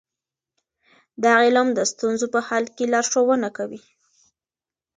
دا علم د ستونزو په حل کې لارښوونه کوي.